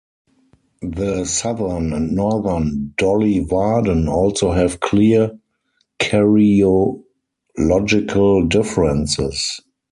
The southern and northern Dolly Varden also have clear karyological differences.